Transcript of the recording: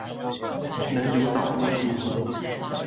能有腦波輸入